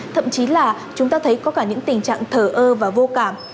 thậm chí là chúng ta thấy có cả những tình trạng thở ơ và vô cảm